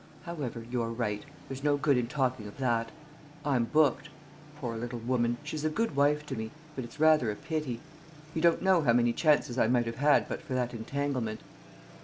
However, you're right there's no good in talking of that. I'm booked. Poor little woman, she's a good wife to me; but it's rather a pity. You don't know how many chances I might have had but for that entanglement."